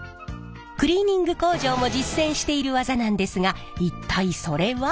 クリーニング工場も実践している技なんですが一体それは？